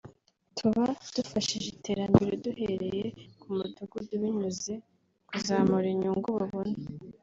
tuba dufashije iterambere duhereye ku mudugudu binyuze mu kuzamura inyungu babona